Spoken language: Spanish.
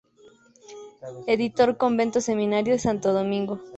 Editor Convento-Seminario de Santo Domingo.